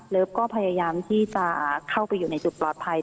ก็พยายามที่จะเข้าไปอยู่ในจุดปลอดภัย